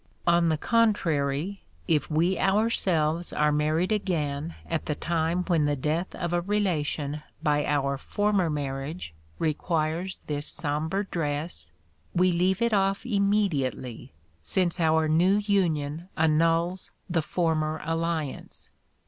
On the contrary, if we ourselves are married again at a time when the death of a relation by our former marriage requires this sombre dress, we leave it off immediately, since our new union annuls the former alliance.